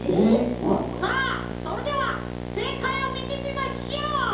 さあそれではせいかいをみてみましょう。